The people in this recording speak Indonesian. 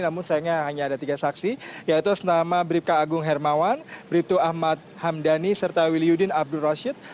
namun sayangnya hanya ada tiga saksi yaitu senama bribka agung hermawan bribtu ahmad hamdani serta wiliudin abdul rashid